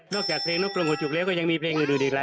นอกจากเพลงนกกลงหัวจุบเลี้ยวก็ยังมีเพลงอยู่ดีกว่า